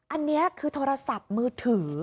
อันนี้คือโทรศัพท์มือถือ